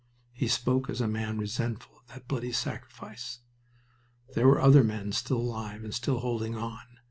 He spoke as a man resentful of that bloody sacrifice. There were other men still alive and still holding on.